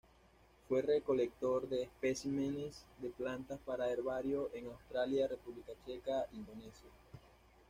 Fue recolector de especímenes de plantas para herbario en Australia, República Checa, Indonesia.